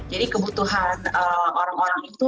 jadi kebutuhan orang orang itu